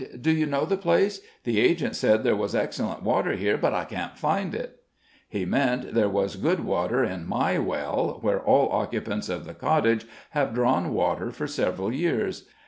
"Do you know the place? The agent said there was excellent water here, but I can't find it." "He meant there was good water in my well, where all occupants of the cottage have drawn water for several years.